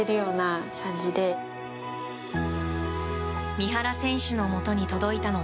三原選手のもとに届いたのは